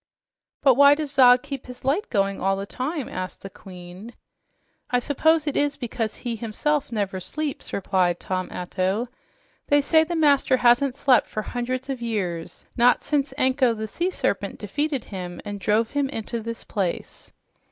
"But why does Zog keep his light going all the time?" asked the Queen. "I suppose it is because he himself never sleeps," replied Tom Atto. "They say the master hasn't slept for hundreds of years, not since Anko, the sea serpent, defeated him and drove him into this place."